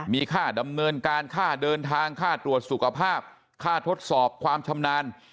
มีค่าดำเนินการค่าเดินทางค่าตรวจสุขภาพค่าทดสอบความชำนาญ